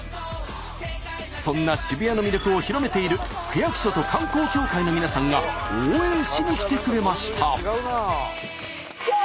そんな渋谷の魅力を広めている区役所と観光協会の皆さんが応援しに来てくれました！